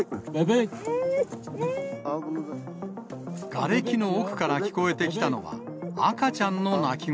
がれきの奥から聞こえてきたのは、赤ちゃんの泣き声。